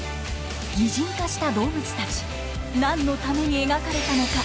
擬人化した動物たち何のために描かれたのか？